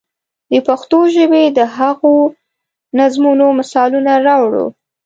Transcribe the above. د پښتو ژبې د هغو نظمونو مثالونه راوړو.